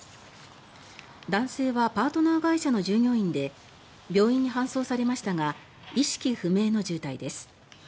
男性はパートナー会社の従業員で病院に搬送されましたが意識不明の重体です。